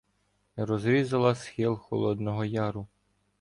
Розрізала схил Холодного Яру.